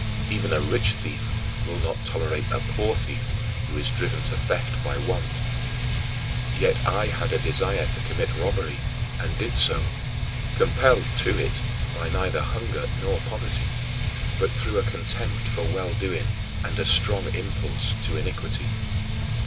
Even a rich thief will not tolerate a poor thief who is driven to theft by want. Yet I had a desire to commit robbery, and did so, compelled to it by neither hunger nor poverty, but through a contempt for well doing and a strong impulse to iniquity.